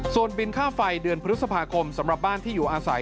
ส่วนบินค่าไฟเดือนพฤษภาคมสำหรับบ้านที่อยู่อาศัย